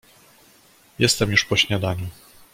"Jestem już po śniadaniu."